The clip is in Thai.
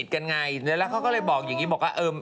เพราะเขาก็เป็นเพื่อนสนิทกันไง